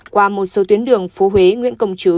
qua một số tuyến đường phố huế nguyễn công chứ